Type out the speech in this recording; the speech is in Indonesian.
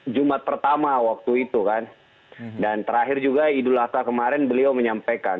jumat pertama waktu itu kan dan terakhir juga idul adha kemarin beliau menyampaikan